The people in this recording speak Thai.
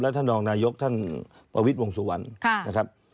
ท่านรองนายกท่านประวิทย์วงสุวรรณนะครับ